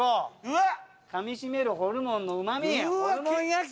うわ！かみしめるホルモンのうま味。